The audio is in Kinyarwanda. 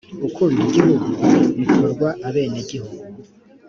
gukunda igihugu bikorwa abenegihugu .